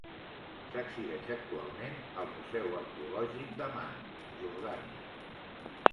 S'exhibeix, actualment, al Museu Arqueològic d'Amman, Jordània.